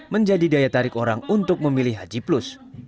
menjadi daya tarik orang untuk memilih haji plus